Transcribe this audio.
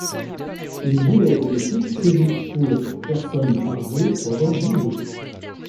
Une ville aéronautique prévue pour personnes par jour pendant dix jours.